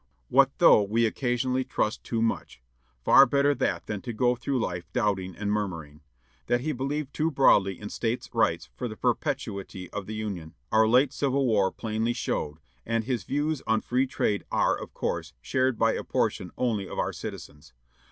What though we occasionally trust too much! Far better that than to go through life doubting and murmuring! That he believed too broadly in States' Rights for the perpetuity of the Union, our late Civil War plainly showed, and his views on Free Trade are, of course, shared by a portion only of our citizens.